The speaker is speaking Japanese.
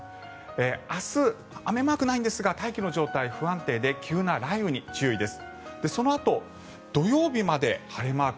明日、雨マークがないんですが大気の状態不安定で急な雷雨に注意です。